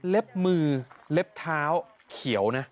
มือเล็บเท้าเขียวนะ